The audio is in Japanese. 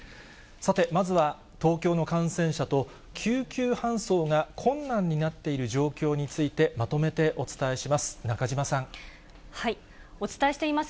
さて、まずは東京の感染者と、救急搬送が困難になっている状況について、まとめてお伝えします。